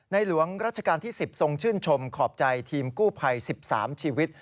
หลวงราชการที่๑๐ทรงชื่นชมขอบใจทีมกู้ภัย๑๓ชีวิต